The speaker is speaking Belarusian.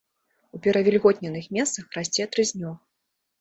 У пераўвільготненых месцах расце трыснёг.